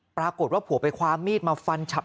ปรากฏว่าผัวไปคว้ามีดมาฟันฉับ